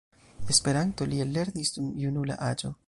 Esperanton li ellernis dum junula aĝo.